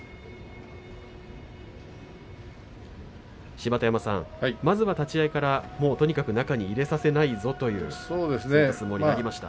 芝田山さん、まずは立ち合いからもうとにかく中に入れさせないぞという相撲になりました。